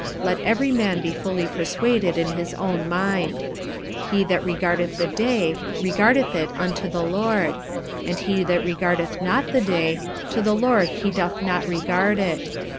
Let every man be fully persuaded in his own mind. 45:014:006 He that regardeth the day, regardeth it unto the Lord; and he that regardeth not the day, to the Lord he doth not regard it.